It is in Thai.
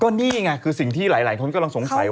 นี่ไงคือสิ่งที่หลายคนกำลังสงสัยว่า